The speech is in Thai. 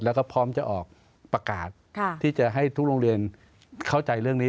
แล้วก็พร้อมจะออกประกาศที่จะให้ทุกโรงเรียนเข้าใจเรื่องนี้